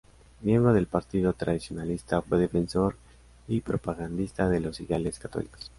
Miembro del partido tradicionalista, fue defensor y propagandista de los ideales católicos.